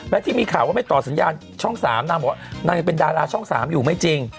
และที่มีข่าวว่าไม่ต่อสัญญาณช่อง๓นางบอกว่านางยังเป็นดาราช่อง๓อยู่ไม่จริง